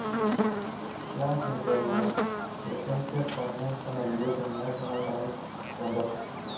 Las inflorescencias, son en su mayoría terminales en las ramas frondosas.